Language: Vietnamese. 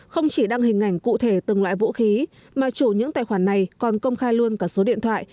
không chỉ đăng hình ảnh cụ thể từng loại vũ khí mà chủ những tài khoản này còn công khai luôn cả số điện thoại